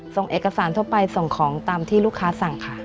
ส่งเอกสารทั่วไปส่งของตามที่ลูกค้าสั่งค่ะ